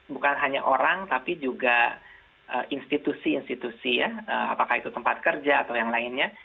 bukan hanya orang tapi juga institusi institusi ya apakah itu tempat kerja atau yang lainnya